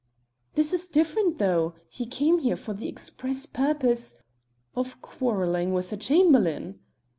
"This is different, though; he came here for the express purpose " "Of quarrelling with the Chamberlain!"